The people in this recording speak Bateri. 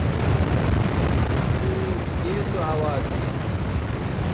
کُوکُو کیں سو اواز تھی؟